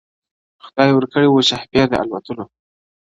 خدای ورکړی وو شهپر د الوتلو -